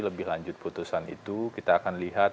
lebih lanjut putusan itu kita akan lihat